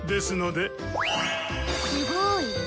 すごい！